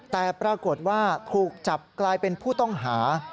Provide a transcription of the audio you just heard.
แต่ปรากฏว่าถูกจับกลายเป็นผู้ต้องหา